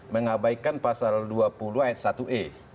mengabaikan pasal dua puluh ayat satu e